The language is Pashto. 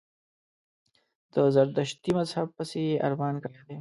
د زردشتي مذهب پسي یې ارمان کړی دی.